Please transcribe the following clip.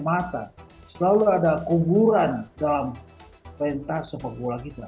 mata selalu ada kuburan dalam rentas sepak bola kita padahal sepak bola itu ada hiburan bukan